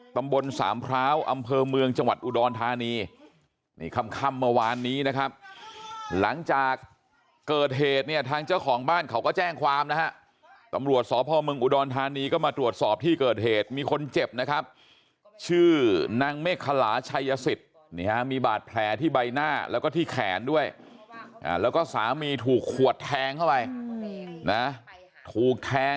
ตำบลสามพร้าวอำเภอเมืองจังหวัดอุดรธานีนี่ค่ำเมื่อวานนี้นะครับหลังจากเกิดเหตุเนี่ยทางเจ้าของบ้านเขาก็แจ้งความนะฮะตำรวจสพเมืองอุดรธานีก็มาตรวจสอบที่เกิดเหตุมีคนเจ็บนะครับชื่อนางเมฆขลาชัยสิทธิ์มีบาดแผลที่ใบหน้าแล้วก็ที่แขนด้วยแล้วก็สามีถูกขวดแทงเข้าไปนะถูกแทง